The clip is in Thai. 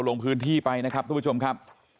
ลงพื้นที่ไปนะครับทุกผู้ชมครับ